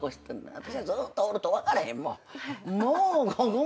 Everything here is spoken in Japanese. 私はずっとおると分からへん。